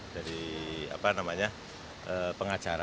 dari apa namanya pengacara